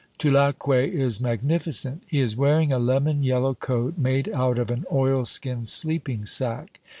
Tulacque is magnificent. He is wearing a lemon yellow coat made out of an oilskin sleeping sack.